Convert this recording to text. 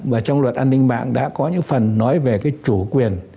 và trong luật an ninh mạng đã có những phần nói về cái chủ quyền